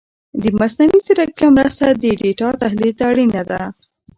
د مصنوعي ځیرکتیا مرسته د ډېټا تحلیل ته اړینه ده.